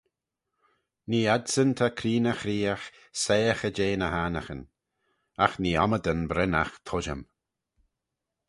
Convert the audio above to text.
Nee adsyn ta creeney-chreeagh soiaghey jeh ny annaghyn: agh nee ommydan brynnagh tuittym.